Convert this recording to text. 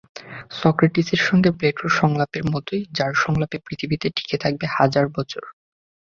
সক্রেটিসের সঙ্গে প্লেটোর সংলাপের মতোই যাঁর সংলাপ পৃথিবীতে টিকে থাকবে হাজার বছর।